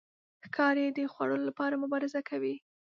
ښکاري د خوړو لپاره مبارزه کوي.